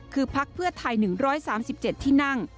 คือพักเพื่อไทย๑๓๗ที่นั่ง